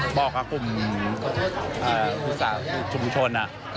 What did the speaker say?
บอกกับกลุ่มอุตสาหกิจชุมชน